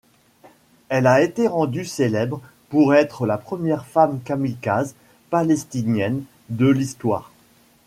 Elle a été rendue célèbre pour être la première femme kamikaze palestinienne de l'histoire.